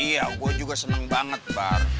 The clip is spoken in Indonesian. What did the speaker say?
iya gue juga senang banget bar